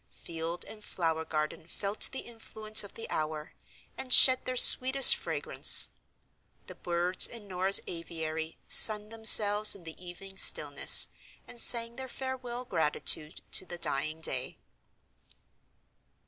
Field and flower garden felt the influence of the hour, and shed their sweetest fragrance. The birds in Norah's aviary sunned themselves in the evening stillness, and sang their farewell gratitude to the dying day.